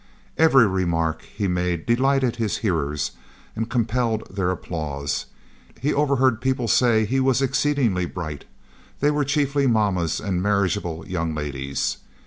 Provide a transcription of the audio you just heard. Every remark he made delighted his hearers and compelled their applause; he overheard people say he was exceedingly bright they were chiefly mammas and marriageable young ladies.